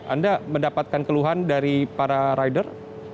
anda mendapatkan keluhan dari para rider